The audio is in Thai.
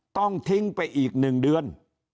ต้องทิ้งไปอีกหนึ่งเดือน